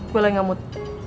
gue lah yang gamut